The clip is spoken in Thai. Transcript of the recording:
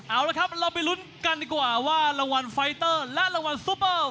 เอาละครับเราไปลุ้นกันดีกว่าว่ารางวัลไฟเตอร์และรางวัลซูเปอร์